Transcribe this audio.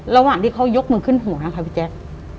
ระหว่างที่เขายกมือขึ้นหูนะคะพี่แจ๊ค